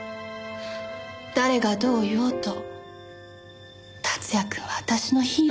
誰がどう言おうと竜也くんは私のヒーローよ。